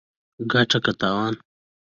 ګټه که تاوان